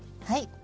はい。